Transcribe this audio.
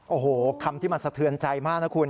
โอ้โหคำที่มันสะเทือนใจมากนะคุณ